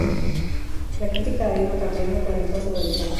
La crítica ha ido cambiando con el paso de los años.